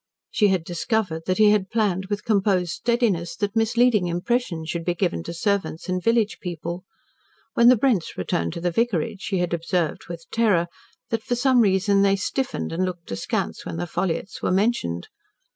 She had discovered that he had planned with composed steadiness that misleading impressions should be given to servants and village people. When the Brents returned to the vicarage, she had observed, with terror, that for some reason they stiffened, and looked askance when the Ffolliotts were mentioned.